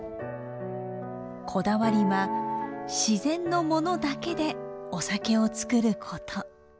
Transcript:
こだわりは自然のものだけでお酒を造ること。